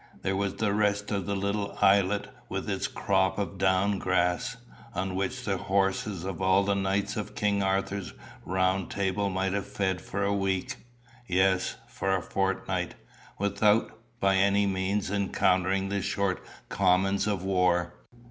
There was the rest of the little islet with its crop of down grass, on which the horses of all the knights of King Arthur's round table might have fed for a week yes, for a fortnight, without, by any means, encountering the short commons of war.